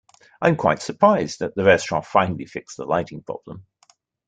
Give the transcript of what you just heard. I am quite surprised that the restaurant finally fixed the lighting problem.